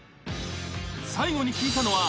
［最後に引いたのは］